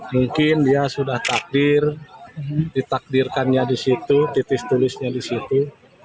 mungkin dia sudah takdir ditakdirkannya di situ titis tulisnya di situ